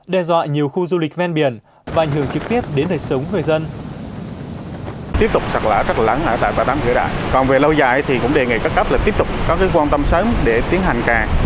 đe dọa nhiều khu du lịch ven biển và ảnh hưởng trực tiếp đến đời sống người dân